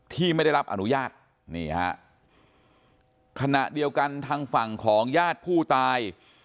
ไม่ได้รับอนุญาตนี่ฮะขณะเดียวกันทางฝั่งของญาติผู้ตาย